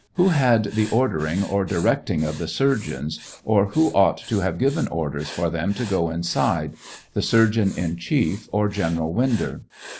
Who had the ordering or directing of tbe surgeons, or who ought to have given orders for them to go inside — the surgeon in chief or General Winder?